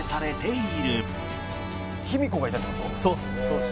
そうです。